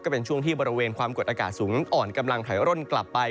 เป็นช่วงที่บริเวณความกดอากาศสูงอ่อนกำลังถอยร่นกลับไป